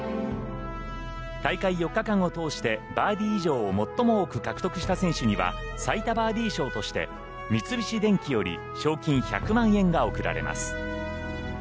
大会４日間を通してバーディー以上を最も多く獲得した選手には最多バーディー賞として三菱電機より賞金１００万円が贈られます。